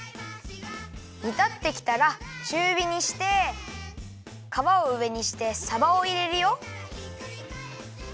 煮たってきたらちゅうびにしてかわをうえにしてさばをいれるよ。